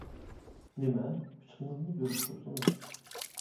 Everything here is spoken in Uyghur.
— نېمە؟ — پىچىقىڭىزنى بېرىپ تۇرسىڭىز.